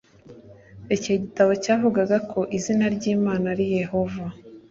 icyo gitabo cyavugaga ko izina ry imana ari yehova